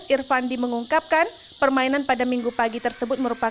serta net kan hitung kopi dan memotifkan dan memukul barangnya dzix plus adalah